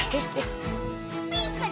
ピンクだ！